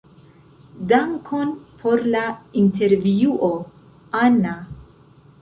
Dankon por la intervjuo, Ana.